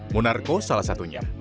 munarko salah satunya